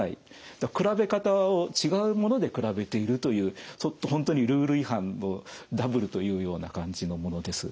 比べ方を違うもので比べているという本当にルール違反のダブルというような感じのものです。